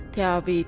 theo vì tuyên bố